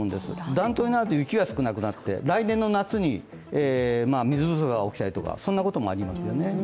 暖冬になると雪が少なくなって来年の夏に水不足が起きたりとか、そんなこともありますよね。